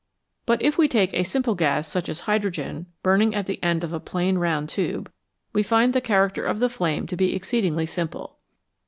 But if we take a simple gas such as hydrogen burning at the end of a plain round tube, we find the character of the flame to be exceedingly simple.